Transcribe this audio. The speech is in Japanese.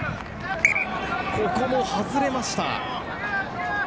ここも外れました。